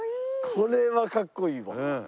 これはかっこいいわ。